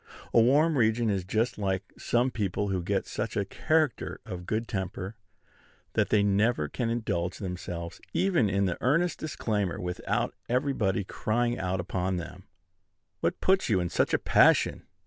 A warm region is just like some people who get such a character for good temper, that they never can indulge themselves even in an earnest disclaimer without everybody crying out upon them, "What puts you in such a passion?"